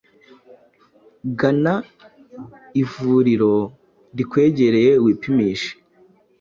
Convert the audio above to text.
gana ivuririo rikwegereye wipimishe